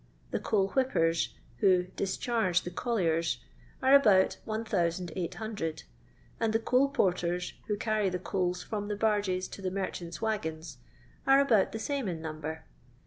The coal whippers, who "discharge the colliers," are about 1800, and the coal porters, if ho carry the coals bom the barges to the merchants' wagons, are about the same in number.